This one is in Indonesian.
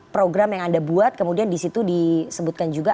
program yang anda buat kemudian di situ disebutkan juga